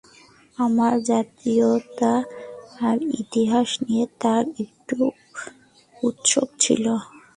আমার জাতীয়তা আর ইতিহাস নিয়ে তারা অনেক উৎসুক ছিল।